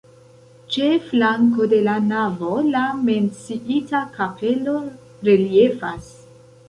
Ĉe flanko de la navo la menciita kapelo reliefas.